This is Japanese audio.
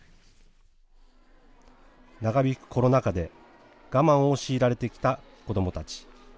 長引くコロナ禍で、我慢を強いられてきた子どもたち。